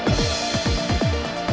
pak pak j langsung fearsu